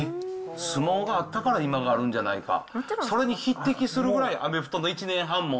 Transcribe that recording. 相撲があったから、今があるんじゃないか、それに匹敵するぐらい、アメフトの１年半も。